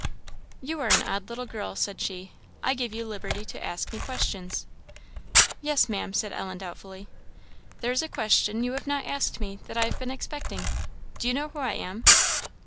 "You are an odd little girl," said she. "I gave you liberty to ask me questions." "Yes, Maam," said Ellen, doubtfully. "There is a question you have not asked me that I have been expecting. Do you know who I am?"